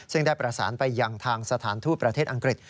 ซึ่งได้ประสานไปยังทางสถานทูตประเทศอังกฤษ